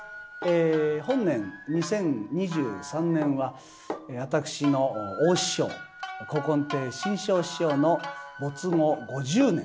本年２０２３年は私の大師匠古今亭志ん生師匠の没後５０年。